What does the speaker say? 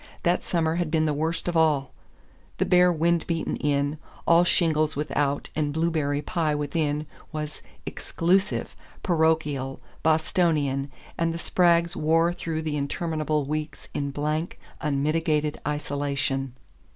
That summer had been the worst of all. The bare wind beaten inn, all shingles without and blueberry pie within, was "exclusive," parochial, Bostonian; and the Spraggs wore through the interminable weeks in blank unmitigated isolation.